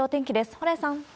蓬莱さん。